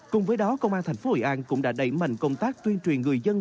cùng với đó công an thành phố hội an cũng đã đẩy mạnh công tác tuyên truyền người dân